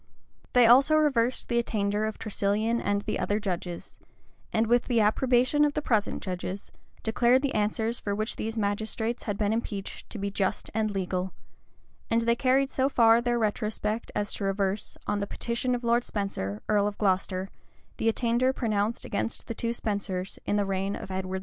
They also reversed the attainder of Tresilian and the other judges; and, with the approbation of the present judges, declared the answers for which these magistrates had been impeached to be just and legal:[] and they carried so far their retrospect as to reverse, on the petition of Lord Spenser, earl of Glocester, the attainder pronounced against the two Spensers in the reign of Edward II.